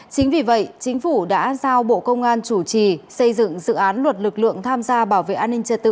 chính vì vậy chính phủ đã giao bộ công an chủ trì xây dựng dự án luật lực lượng tham gia bảo vệ an ninh trật tự